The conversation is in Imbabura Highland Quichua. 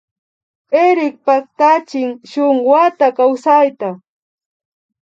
Erik paktachin shun wata kawsayta